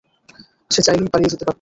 সে চাইলেই পালিয়ে যেতে পারত।